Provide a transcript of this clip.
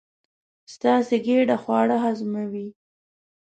ستاسې ګېډه خواړه هضموي.